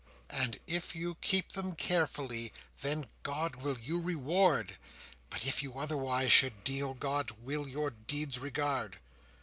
"And if you keep them carefully, Then God will you reward; But if you otherwise should deal, God will your deeds regard."